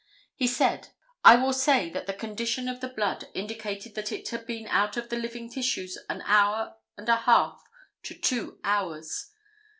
He said: "I will say that the condition of the blood indicated that it had been out of the living tissues an hour and a half to two hours.